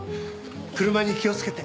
車に気をつけて。